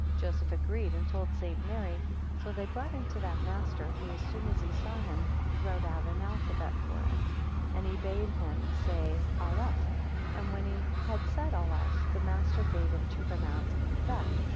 3 Joseph agreed, and told St. Mary; 4 So they brought him to that master; who, as soon as he saw him, wrote out an alphabet for him, 5 And he bade him say Aleph; and when he had said Aleph, the master bade him pronounce Beth.